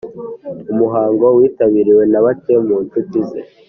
Umuhango witabiriwe na bake mu nshuti ze